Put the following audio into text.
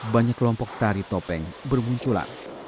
banyak kelompok tari topeng bermunculan